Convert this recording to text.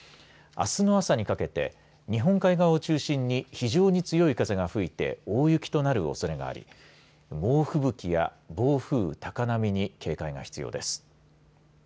あすの朝にかけて日本海側を中心に非常に強い風が吹いて大雪となるおそれがあり猛吹雪や暴風、高波に警戒が必要です。